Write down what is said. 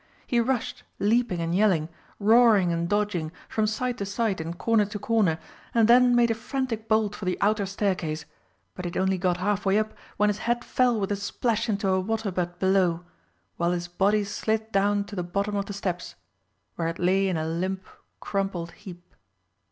He rushed, leaping and yelling, roaring and dodging, from side to side and corner to corner, and then made a frantic bolt for the outer staircase, but he had only got half way up when his head fell with a splash into a water butt below, while his body slid down to the bottom of the steps, where it lay in a limp crumpled heap.